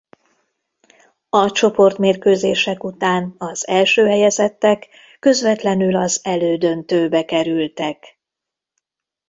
A csoportmérkőzések után az első helyezettek közvetlenül az elődöntőbe kerültek.